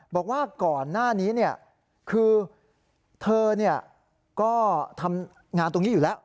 บอกว่าก่อนหน้านี้คือเธอก็ทำงานตรงนี้อยู่แล้ว